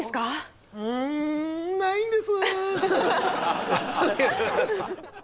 うんないんです！